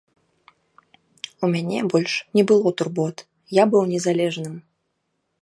У мяне больш не было турбот, я быў незалежным.